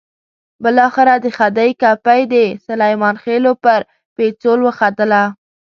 بالاخره د خدۍ کپۍ د سلیمان خېلو پر پېڅول وختله.